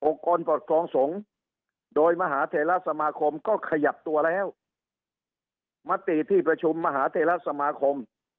กรปกครองสงฆ์โดยมหาเทราสมาคมก็ขยับตัวแล้วมติที่ประชุมมหาเทราสมาคม